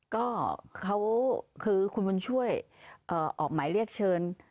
ก็คือคุณบุญช่วยออกหมายเรียกเชิญ